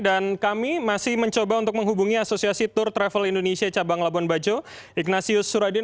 dan kami masih mencoba untuk menghubungi asosiasi tour travel indonesia cabang labuan bajo ignasius suradin